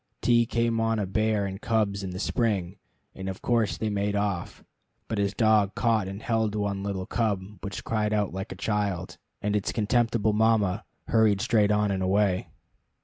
T came on a bear and cubs in the spring, and of course they made off, but his dog caught and held one little cub which cried out like a child and its contemptible mama hurried straight on and away.